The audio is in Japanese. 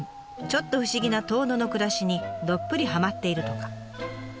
ちょっと不思議な遠野の暮らしにどっぷりはまっているとか。